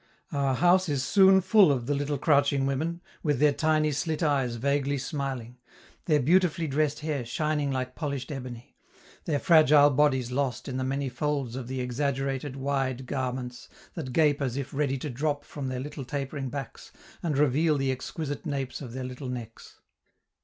Our house is soon full of the little crouching women, with their tiny slit eyes vaguely smiling; their beautifully dressed hair shining like polished ebony; their fragile bodies lost in the many folds of the exaggerated, wide garments, that gape as if ready to drop from their little tapering backs and reveal the exquisite napes of their little necks.